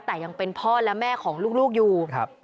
แต่ยังเป็นพ่อและแม่ของลูกอยู่